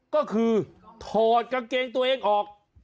ก็คือถอดกางเกงตัวเองออก